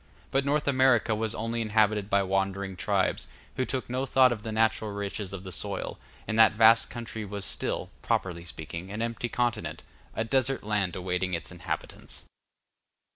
But North America was only inhabited by wandering tribes, who took no thought of the natural riches of the soil, and that vast country was still, properly speaking, an empty continent, a desert land awaiting its inhabitants.